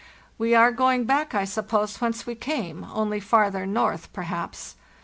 We are going back, I suppose, whence we came, only farther north perhaps.